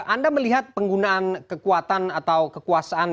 anda melihat penggunaan kekuatan atau kekuasaan